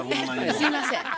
すいません。